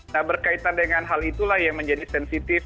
nah berkaitan dengan hal itulah yang menjadi sensitif